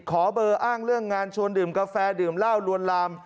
ขอเบอร์อ้างเรื่องงานชวนดื่มกาแฟดื่มเหล้าลวนลาม